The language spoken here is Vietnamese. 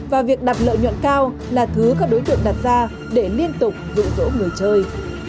và việc đặt lợi nhuận cao là thứ các đối tượng đặt ra để liên tục rụ rỗ người chơi